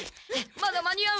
まだ間に合う？